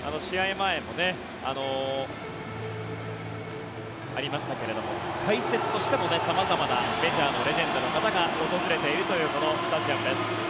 前、ありましたけど解説としても様々なメジャーのレジェンドの方が訪れているというこのスタジアムです。